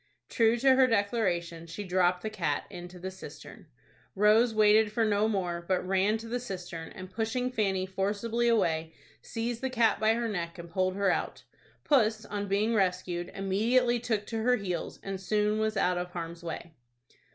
True to her declaration, she dropped the cat into the cistern. Rose waited for no more, but ran to the cistern, and, pushing Fanny forcibly away, seized the cat by her neck, and pulled her out. Puss, on being rescued, immediately took to her heels, and soon was out of harm's way.